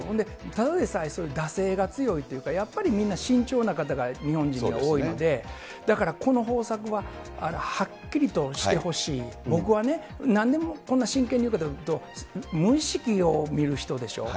ただでさえ惰性が強いというか、やっぱり、みんな慎重な方が日本人には多いので、だからこの方策ははっきりとしてほしい、僕はね、なんでこんな真剣に言うかというと、を見る人でしょう。